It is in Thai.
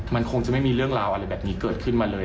มันคงจะไม่มีเรื่องราวอะไรแบบนี้เกิดขึ้นมาเลย